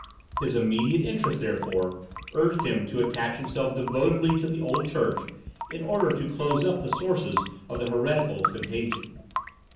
His immediate interests, therefore, urged him to attach himself devotedly to the old church, in order to close up the sources of the heretical contagion.